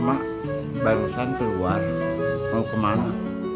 mak barusan keluar mau kemana